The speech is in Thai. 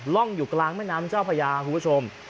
ร่องอยู่กลางแม่น้ำเจ้าพญาคุณผู้ชม